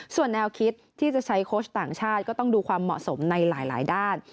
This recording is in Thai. ส่วนแนวคิดที่จะใช้โค้ชต่างชาติก็ต้องดูความเหมาะสมในหลายด้าน